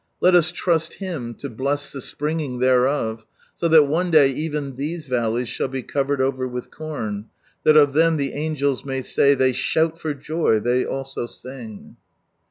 Let us trust Him to bless the springing thereof, so that one day even these valleys shall be I Land covered over with corn, that of ihem the angeia may say " They shout for joy, they also sing."